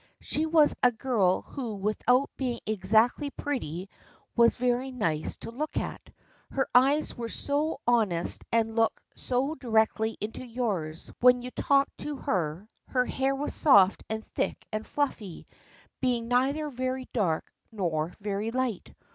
She was a girl who without being exactly pretty was very nice to look at. Her eyes were so honest and looked so directly into yours when you talked to her, her hair was soft and thick and fluffy, being neither very dark nor very light.